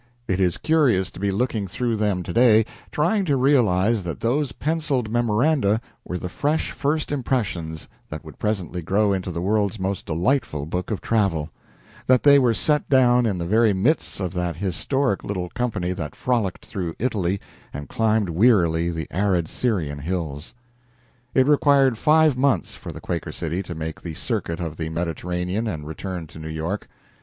It is curious to be looking through them to day, trying to realize that those penciled memoranda were the fresh first impressions that would presently grow into the world's most delightful book of travel; that they were set down in the very midst of that historic little company that frolicked through Italy and climbed wearily the arid Syrian hills. It required five months for the "Quaker City" to make the circuit of the Mediterranean and return to New York.